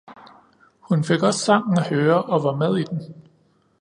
Hun fik også sangen at høre og var med i den